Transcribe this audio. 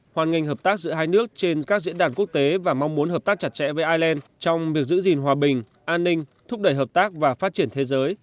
hoàn ngành hợp tác giữa hai nước trên các diễn đàn quốc tế và mong muốn hợp tác chặt chẽ với ireland trong việc giữ gìn hòa bình an ninh thúc đẩy hợp tác và phát triển thế giới